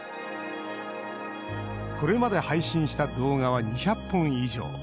これまで配信した動画は２００本以上。